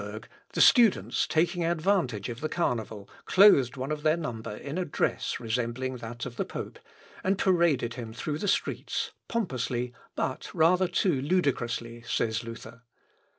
] At Wittemberg, the students, taking advantage of the carnival, clothed one of their number in a dress resembling that of the pope, and paraded him through the streets "pompously, but rather too ludicrously," says Luther.